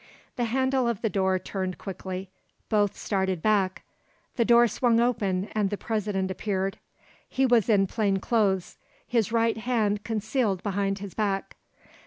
The handle of the door turned quickly. Both started back. The door swung open and the President appeared. He was in plain clothes, his right hand concealed behind his back.